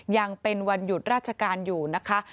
ยังเป็นวันหยุดราชการอยู่นะคะ